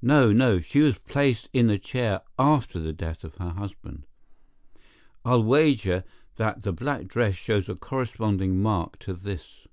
No, no, she was placed in the chair after the death of her husband. I'll wager that the black dress shows a corresponding mark to this.